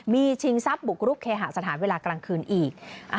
มีชิงทรัพย์บุกรุกเคหาสถานเวลากลางคืนอีก